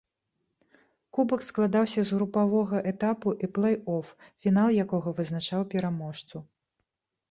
Кубак складаўся з групавога этапу і плэй-оф, фінал якога вызначаў пераможцу.